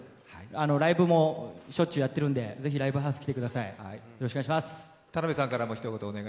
ライブもしょっちゅうやってるんでぜひライブハウス来てください。